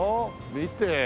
見て。